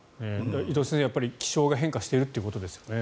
伊藤先生、気象が変化しているということですかね。